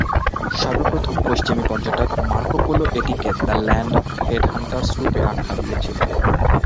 সর্বপ্রথম পশ্চিমী পর্যটক মার্কো পোলো এটিকে ‘দ্য ল্যান্ড অফ হেড-হান্টারস’ রূপে আখ্যা দিয়েছিলেন।